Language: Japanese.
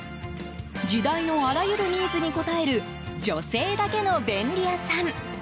時代のあらゆるニーズに応える女性だけの便利屋さん。